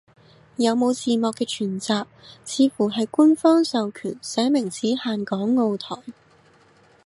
有冇字幕嘅全集，似乎係官方授權，寫明只限港澳台